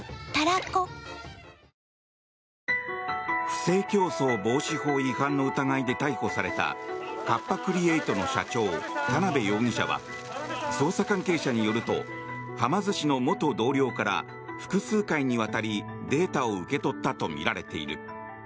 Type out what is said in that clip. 不正競争防止法違反の疑いで逮捕されたカッパ・クリエイトの社長田邊容疑者は捜査関係者によるとはま寿司の元同僚から複数回にわたりデータを受け取ったとみられている。